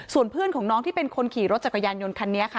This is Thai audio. ส่วนเพื่อนของน้องที่เป็นคนขี่รถจักรยานยนต์คันนี้ค่ะ